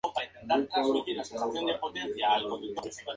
Así, constituye una paradoja para el feminismo.